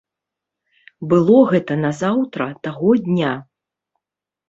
Было гэта назаўтра таго дня.